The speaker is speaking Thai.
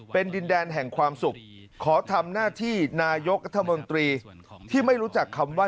เป็นดินแดนแห่งความสุขขอทำหน้าที่นายกรัฐมนตรีที่ไม่รู้จักคำว่า